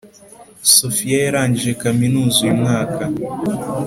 sofia yarangije kaminuza uyu mwaka